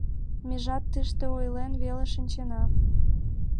Межат тыште ойлен веле шинчена.